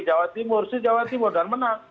jawa timur si jawa timur dan menang